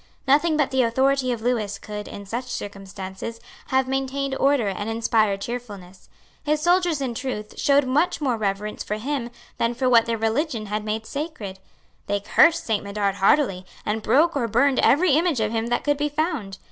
Nothing but the authority of Lewis could, in such circumstances, have maintained order and inspired cheerfulness. His soldiers, in truth, showed much more reverence for him than for what their religion had made sacred. They cursed Saint Medard heartily, and broke or burned every image of him that could be found.